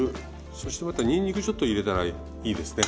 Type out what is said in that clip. そしてまたにんにくちょっと入れたらいいですね。